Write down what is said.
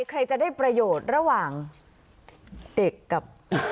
ใครจะได้ประโยชน์ระหว่างเด็กกับ